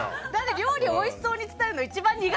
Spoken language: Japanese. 料理おいしそうに伝えるの一番。